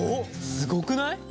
すごくない？